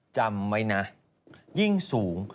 จำไว้นะยิ่งสูง